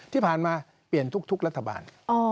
ที่ผ่านมาเปลี่ยนทุกรัฐบาล